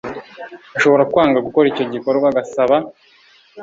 ashobora kwanga gukora icyo gikorwa agasaba